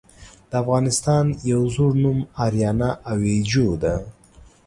د افغانستان يو ﺯوړ نوم آريانا آويجو ده .